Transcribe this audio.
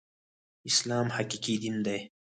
اسلام حقيقي دين دی